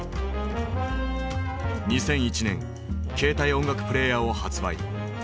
２００１年携帯音楽プレーヤーを発売。